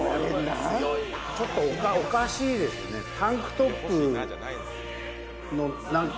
ちょっとおかしいですね